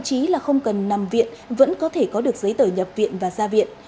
chí là không cần nằm viện vẫn có thể có được giấy tờ nhập viện và ra viện